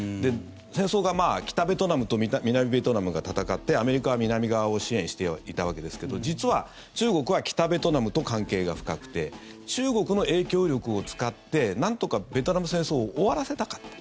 戦争が北ベトナムと南ベトナムが戦ってアメリカは南側を支援していたわけですけど実は中国は北ベトナムと関係が深くて中国の影響力を使ってなんとかベトナム戦争を終わらせたかった。